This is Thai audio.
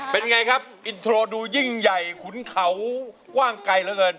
เป็นไงครับอินโทรดูยิ่งใหญ่ขุนเขากว้างไกลเหลือเกิน